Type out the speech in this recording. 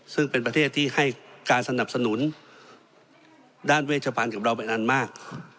ซึ่งเป็นประเทศที่ให้การสนับสนุนด้านเวชพันธ์กับเราเป็นอันมาก